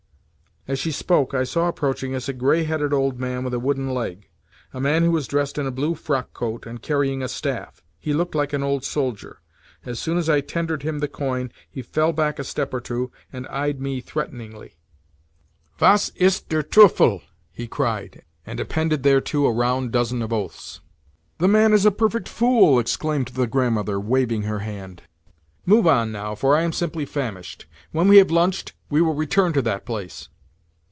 As she spoke I saw approaching us a grey headed old man with a wooden leg—a man who was dressed in a blue frockcoat and carrying a staff. He looked like an old soldier. As soon as I tendered him the coin he fell back a step or two, and eyed me threateningly. "Was ist der Teufel!" he cried, and appended thereto a round dozen of oaths. "The man is a perfect fool!" exclaimed the Grandmother, waving her hand. "Move on now, for I am simply famished. When we have lunched we will return to that place."